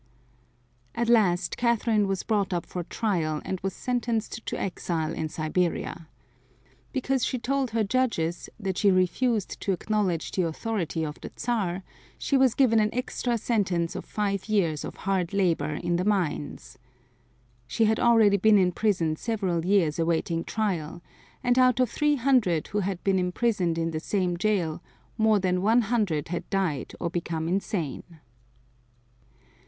At last Catherine was brought up for trial and was sentenced to exile in Siberia. Because she told her judges that she refused to acknowledge the authority of the Czar she was given an extra sentence of five years at hard labor in the mines. She had already been in prison several years awaiting trial and out of three hundred who had been imprisoned in the same jail more than one hundred had died or become insane.